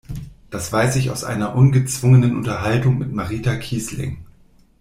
Das weiß ich aus einer ungezwungenen Unterhaltung mit Marita Kießling.